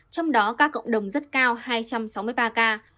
trong đó các cộng đồng rất cao hai trăm sáu mươi ba ca